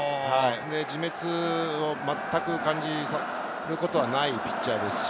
自滅をまったく感じることはないピッチャーですし、